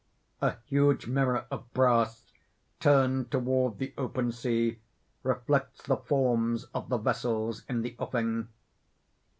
_ _A huge mirror of brass turned toward the open sea, reflects the forms of the vessels in the offing.